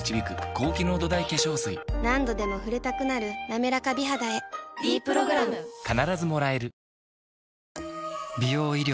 何度でも触れたくなる「なめらか美肌」へ「ｄプログラム」届け。